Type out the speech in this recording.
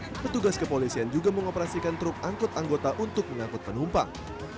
petugas kepolisian juga mengoperasikan truk angkut anggota untuk mengangkut penumpang